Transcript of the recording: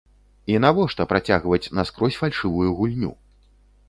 І навошта працягваць наскрозь фальшывую гульню?